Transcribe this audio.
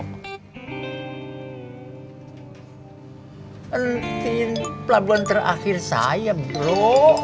penting pelabuhan terakhir saya bro